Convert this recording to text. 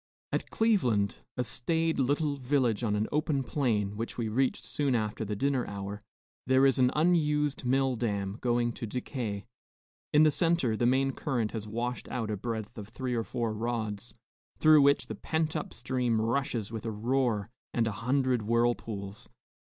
At Cleveland, a staid little village on an open plain, which we reached soon after the dinner hour, there is an unused mill dam going to decay. In the centre, the main current has washed out a breadth of three or four rods, through which the pent up stream rushes with a roar and a hundred whirlpools.